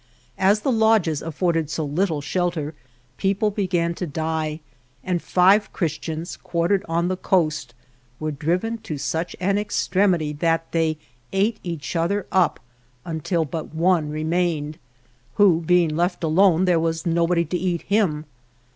As the lodges afforded so little shelter, people began to die, and five Christians, quartered on the coast, were driven to such an extremity that they ate each other up until but one remained, who being left alone, there was nobody to eat him.